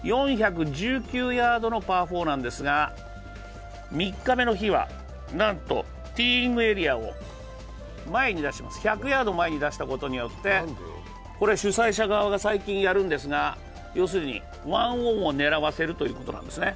４１９ヤードのパー４なんですが、３日目の日はなんとティーイングエリアを１００ヤード前に出したことによってこれは主催者側が最近やるんですが、要するに、１オンを狙わせるということなんですね。